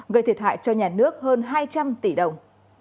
gây thiệt hại cho nhà nước hơn hai trăm linh tỷ đồng